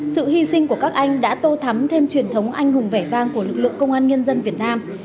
sự hy sinh của các anh đã tô thắm thêm truyền thống anh hùng vẻ vang của lực lượng công an nhân dân việt nam